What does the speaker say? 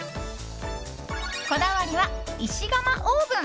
こだわりは石窯オーブン。